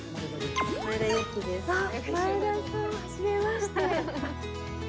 前田さん。はじめまして。